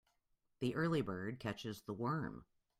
The early bird catches the worm.